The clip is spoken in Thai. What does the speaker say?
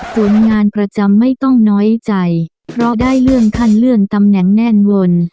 ผลงานประจำไม่ต้องน้อยใจเพราะได้เลื่อนขั้นเลื่อนตำแหน่งแน่นวน